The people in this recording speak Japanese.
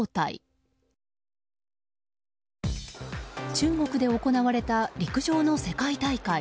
中国で行われた陸上の世界大会。